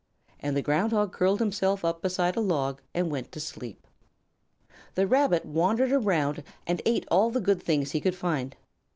And the Ground Hog curled himself up beside a log and went to sleep. The Rabbit wandered around and ate all the good things he could find.